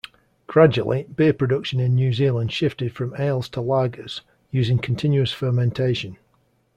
Gradually, beer production in New Zealand shifted from ales to lagers, using continuous fermentation.